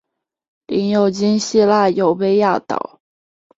领有今希腊优卑亚岛。